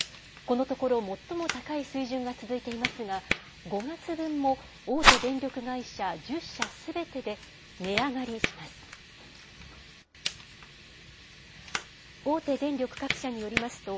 このところ最も高い水準が続いていますが、５月分も、大手電力会社１０社すべてで値上がりします。